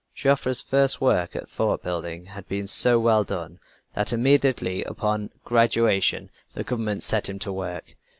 Joffre's first work at fort building had been so well done that immediately upon graduation the government set him to work.